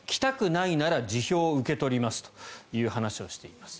ないなら辞表を受け取りますという話をしています。